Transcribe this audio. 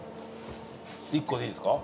１個でいいですか？